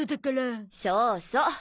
そうそう。